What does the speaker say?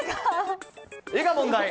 絵が問題。